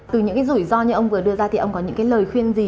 từ những cái rủi ro như ông vừa đưa ra thì ông có những cái lời khuyên gì